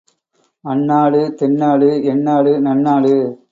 அந்நாடு தென்னாடு எந்நாடு நன்நாடு